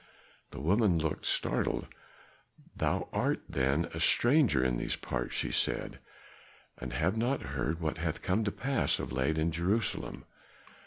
The woman looked startled. "Thou art, then, a stranger in these parts," she said, "and have not heard what hath come to pass of late in Jerusalem?"